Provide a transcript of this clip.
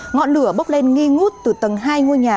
ngọn lửa bốc lên nghi ngút từ tầng hai ngôi nhà